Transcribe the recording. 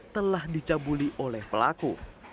telah dicabuli oleh pelaku